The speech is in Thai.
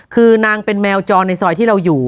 คือนางเป็นแมวจรในซอยที่เราอยู่